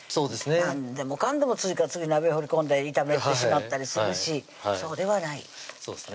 何でもかんでも次から次鍋放り込んで炒めてしまったりするしそうではないそうですね